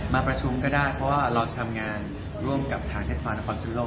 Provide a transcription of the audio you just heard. มาประชุมก็ได้เพราะว่าเราทำงานร่วมกับทางเทศบาลนครสุนโลก